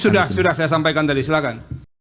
sudah sudah saya sampaikan tadi silahkan